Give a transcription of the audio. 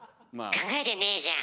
考えてねえじゃん。